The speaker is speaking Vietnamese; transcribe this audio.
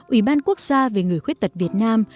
ủy ban quốc gia về người khuyết tật việt nam